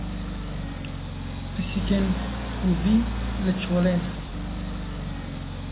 Pisîkên kûvî li çolê ne